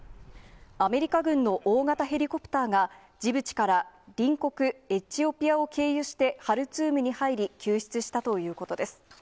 アメリカ軍の大型ヘリコプターが、ジブチから隣国エチオピアを経由してハルツームに入り、救出したということです。